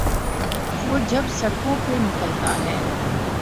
وہ جب سڑکوں پہ نکلتا ہے۔